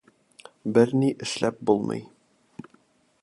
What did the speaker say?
Берни эшләп булмый.